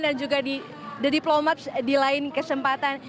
dan juga the diplomats di lain kesempatan